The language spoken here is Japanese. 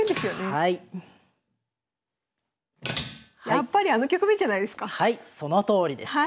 やっぱりあの局面じゃないですか。